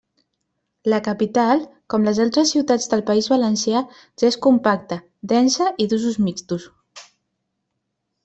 La capital, com les altres ciutats del País Valencià, ja és compacta, densa i d'usos mixtos.